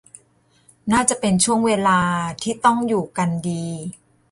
น่าจะเป็นช่วงเวลาที่ต้องอยู่กันดี